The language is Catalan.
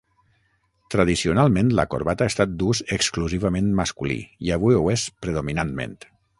Tradicionalment la corbata ha estat d'ús exclusivament masculí, i avui ho és predominantment.